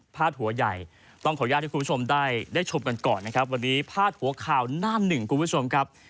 หัวใหญ่ต้องขออนุญาตให้คุณผู้ชมได้ชมกันก่อนนะครับวันนี้พาดหัวข่าวหน้าหนึ่งคุณผู้ชมครับ